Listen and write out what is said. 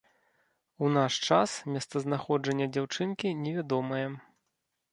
У наш час месцазнаходжанне дзяўчынкі невядомае.